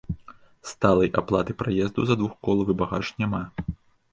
Сталай аплаты праезду за двухколавы багаж няма.